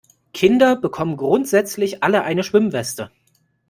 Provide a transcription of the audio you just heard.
Kinder bekommen grundsätzlich alle eine Schwimmweste.